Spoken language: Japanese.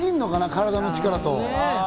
体の力と。